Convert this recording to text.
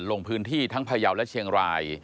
ลงพื้นที่ทั้งพยาวและเชียงราย